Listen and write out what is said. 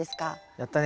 やったね。